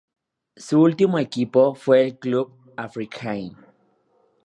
Su último equipo fue el Club Africain.